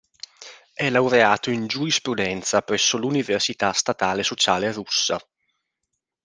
È laureato in Giurisprudenza presso l'Università statale sociale russa.